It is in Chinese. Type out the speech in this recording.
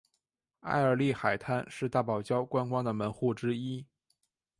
埃尔利海滩是大堡礁观光的门户之一。